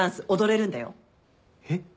えっ？